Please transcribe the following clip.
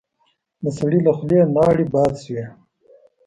د سړي له خولې لاړې باد شوې.